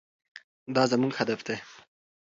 دا زموږ هدف دی.